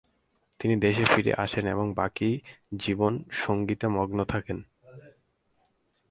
তিনি দেশে ফিরে আসেন এবং বাকি জীবন সঙ্গীতে মগ্ন থাকেন।